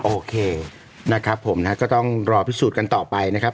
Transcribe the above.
โอเคนะครับผมนะฮะก็ต้องรอพิสูจน์กันต่อไปนะครับ